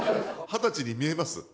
２０歳に見えます。